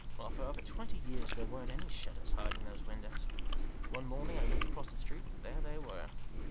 Well, for over twenty years there weren't any shutters hiding those windows. One morning I looked across the street, and there they were."